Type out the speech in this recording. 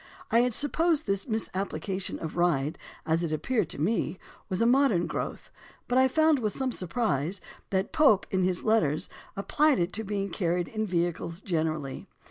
I had supposed this misapplication of "ride" as it ap peared to me was a modern growth, but I found with some surprise that Pope in his letters (vol. VIII, p. 349) applied it to being carried in vehicles generally.